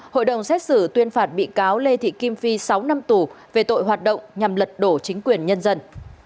hội đồng xét xử tuyên phạt bị cáo lê thị kim phi sáu năm tù về tội hoạt động nhằm lật đổ chính quyền nhân dân